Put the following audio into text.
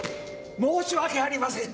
申し訳ありません！